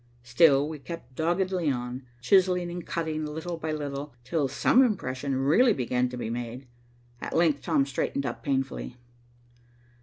Still we kept doggedly on, chiseling and cutting, little by little, till some impression really began to be made. At length Tom straightened up painfully.